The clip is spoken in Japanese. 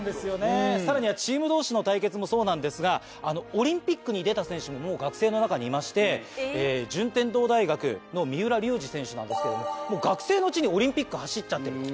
さらにはチーム同士の対決もそうなんですがオリンピックに出た選手も学生の中にいまして順天堂大学の三浦龍司選手なんですけども学生のうちにオリンピック走っちゃってるんです。